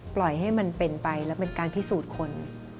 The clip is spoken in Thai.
ปล่อยให้มันเป็นไปแล้วเป็นการพิสูจน์คน